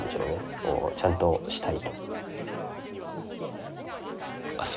こうちゃんとしたいと。